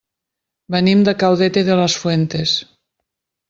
Venim de Caudete de las Fuentes.